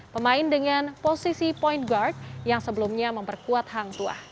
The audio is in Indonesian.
pemain dengan posisi point guard yang sebelumnya memperkuat hang tuah